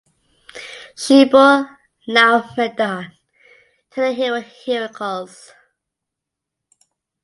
She bore Laomedon to the hero Heracles.